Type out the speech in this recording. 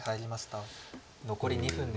残り２分です。